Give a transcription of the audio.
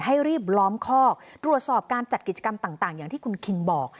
ให้รีบล้อมคอกตรวจสอบการจัดกิจกรรมต่างอย่างที่คุณคิงบอก